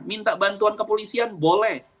minta bantuan kepolisian boleh